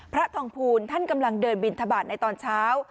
พระทองภูลท่านกำลังเดินบินทบาทในตอนเช้า